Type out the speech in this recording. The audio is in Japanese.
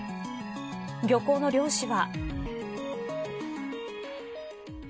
漁港の漁師は。